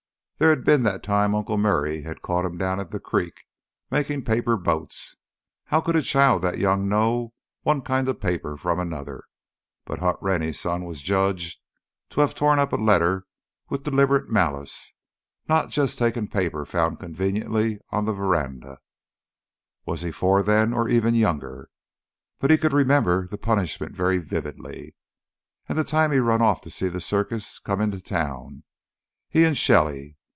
There had been that time Uncle Murray had caught him down at the creek, making paper boats. How could a child that young know one kind of paper from another? But Hunt Rennie's son was judged to have torn up a letter with deliberate malice, not just taken paper found conveniently on the veranda. Was he four then, or even younger? But he could remember the punishment very vividly. And the time he'd run off to see the circus come into town, he and Shelly